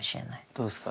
どうですか？